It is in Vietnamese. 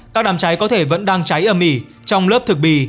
các đám cháy có thể vẫn đang cháy ấm ỉ trong lớp thực bị